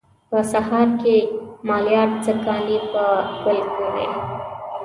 په سهار کې مالیار څه کانې په ګل کړي.